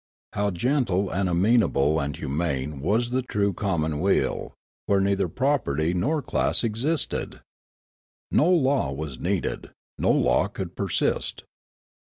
How gentle and amenable and humane was the true commonweal, where neither property nor class existed ! No law was needed, no law could persist.